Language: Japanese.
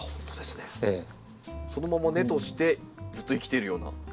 そのまま根としてずっと生きているような。